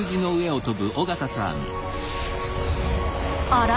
あら？